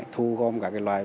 thu gom các loại